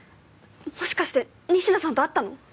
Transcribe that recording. もしかして仁科さんと会ったの？